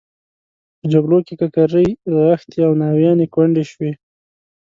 په جګړو کې ککرۍ رغښتې او ناویانې کونډې شوې.